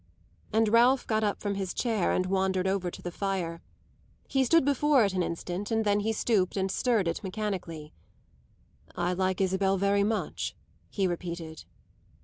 And Ralph got up from his chair and wandered over to the fire. He stood before it an instant and then he stooped and stirred it mechanically. "I like Isabel very much," he repeated.